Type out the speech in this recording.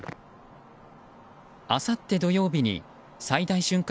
あさって土曜日に最大瞬間